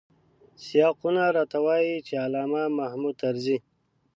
سیاقونه راته وايي چې علامه محمود طرزی.